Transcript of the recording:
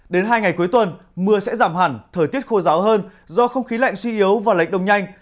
đến hai ngày cuối tuần mưa sẽ giảm hẳn thời tiết khô ráo hơn do không khí lạnh suy yếu và lệch đông nhanh